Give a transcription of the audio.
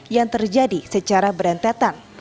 yang terjadi secara berentetan